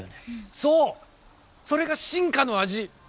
そうそれが進化の味！